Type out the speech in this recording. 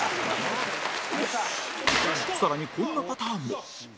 さらにこんなパターンも